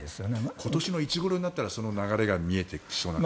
今年のいつごろになればその流れが見えてきそうですか？